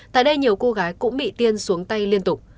tại đây nhiều cô gái cũng bị tiên xuống tay liên tục